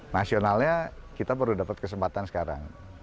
nasionalnya kita perlu dapat kesempatan sekarang